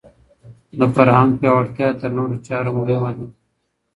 د فرهنګ پياوړتيا تر نورو چارو مهمه ده.